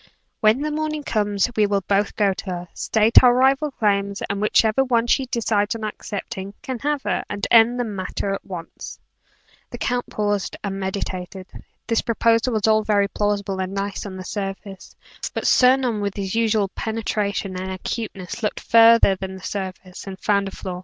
When the morning comes, we will both go to her together state our rival claims and whichever one she decides on accepting, can have her, and end the matter at once." The count paused and meditated. This proposal was all very plausible and nice on the surface, but Sir Norman with his usual penetration and acuteness, looked farther than the surface, and found a flaw.